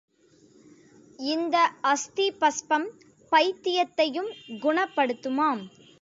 இந்த அஸ்தி பஸ்பம் பைத்தியத்தையும் குணப்படுத்துமாம்.